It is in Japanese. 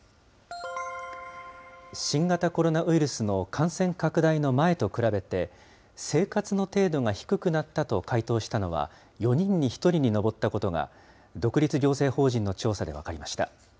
新型コロナウイルスの感染拡大の前と比べて、生活の程度が低くなったと回答したのは、４人に１人に上ったことが、独立行政法人の調査で分かりました。